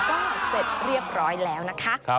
ก็เสร็จเรียบร้อยแล้วนะคะ